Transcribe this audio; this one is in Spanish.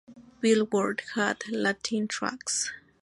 Billboard Hot Latin Tracks.